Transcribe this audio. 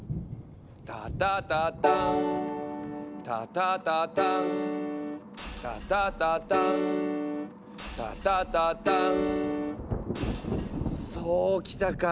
「タタタターン」「タタタターン」「タタタターン」「タタタターン」そうきたか。